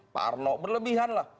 parno berlebihan lah